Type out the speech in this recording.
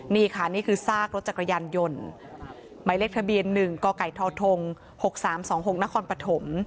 นี่ค่ะนี่คือซากรถจักรยานยนต์หมายเลขทะเบียน๑กไก่ทธ๖๓๒๖นครปฐม